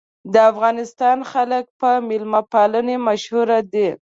د افغانستان خلک په میلمه پالنې مشهور دي.